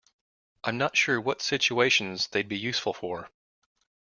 I'm not sure what situations they'd be useful for.